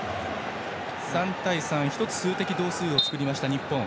３対３、数的同数を作りました日本。